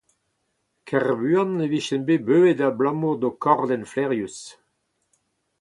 Ken buan e vijen bet beuzet abalamour d’ho kordenn flaerius.